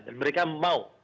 dan mereka mau